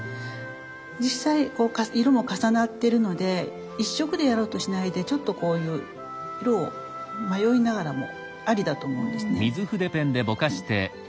実際こう色も重なってるので一色でやろうとしないでちょっとこういう色を迷いながらもありだと思うんですね。